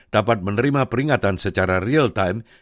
dapat menerima peringatan secara real time